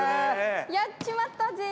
やっちまったぜ。